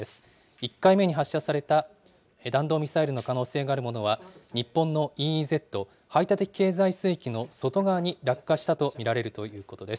１回目に発射された弾道ミサイルの可能性があるものは、日本のＥＥＺ・排他的経済水域の外側に落下したと見られるということです。